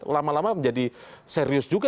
lama lama menjadi serius juga